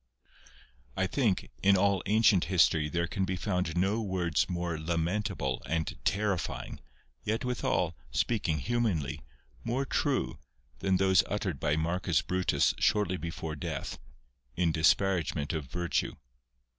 I THINK, in all ancient history there can be found no words more lamentable and terrifying, yet witbal, speaking humanly, more true, than those uttered by Marcus Brutus shortly before death, in disparagement of virtue.